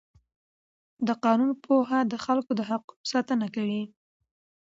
د قانون پوهه د خلکو د حقونو ساتنه کوي.